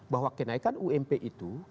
bahwa kenaikan ump itu